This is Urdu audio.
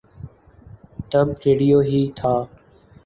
تب ریڈیو ہی تھا۔